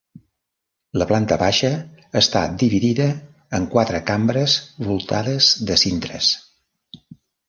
La planta baixa està dividida en quatre cambres voltades de cintres.